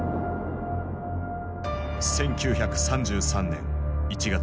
１９３３年１月。